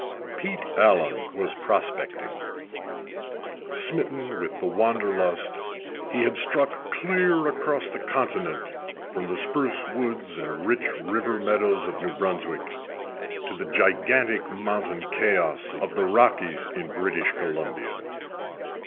Pete Allen was prospecting. Smitten with the wanderlust, he had struck clear across the continent from the spruce woods and rich river meadows of New Brunswick to the gigantic mountain chaos of the Rockies in British Columbia.